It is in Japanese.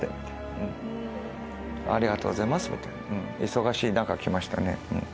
忙しい中来ましたね。